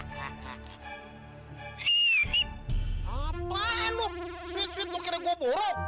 sweet sweet lu kira gua buruk